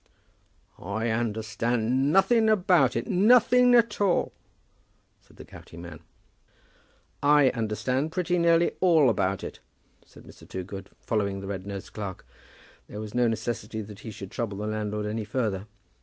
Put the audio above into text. "I understand nothing about it, nothing at all," said the gouty man. "I understand pretty nearly all about it," said Mr. Toogood, following the red nosed clerk. There was no necessity that he should trouble the landlord any further.